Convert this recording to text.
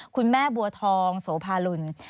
คุณแม่บัวทองโสภาลุล